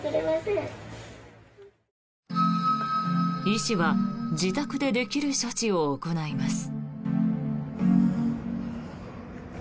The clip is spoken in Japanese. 医師は自宅でできる処置を行います。